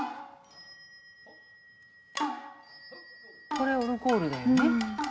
これオルゴールだよね。